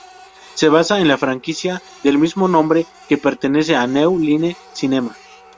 Se basa en la franquicia del mismo nombre que pertenece a New Line Cinema.